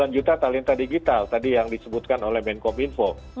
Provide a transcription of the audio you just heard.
delapan juta talenta digital tadi yang disebutkan oleh menkom info